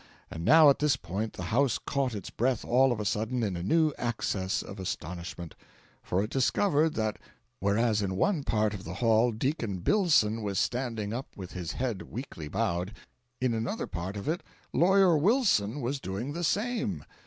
And now at this point the house caught its breath all of a sudden in a new access of astonishment, for it discovered that whereas in one part of the hall Deacon Billson was standing up with his head meekly bowed, in another part of it Lawyer Wilson was doing the same.